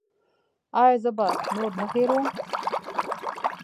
ایا زه به نور نه هیروم؟